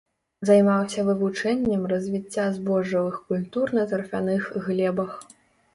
Займаўся вывучэннем развіцця збожжавых культур на тарфяных глебах.